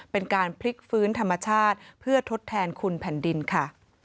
เป็นการพลิกฟื้นธรรมชาติเพื่อทดแทนคุณแผ่นดินค่ะ